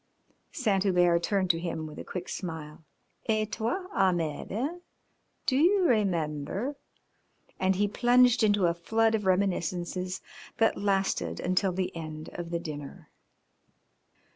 Saint Hubert turned to him with a quick smile. "Et toi, Ahmed, eh? Do you remember ?" and he plunged into a flood of reminiscences that lasted until the end of dinner.